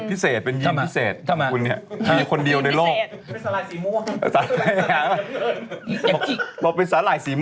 ปุงเรืองใช่ไหม